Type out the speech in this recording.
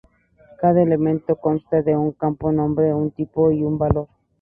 Cada elemento consta de un campo nombre, un tipo y un valor.